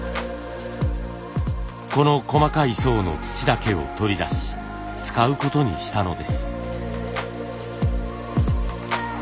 この細かい層の土だけを取り出し使うことにしたのです。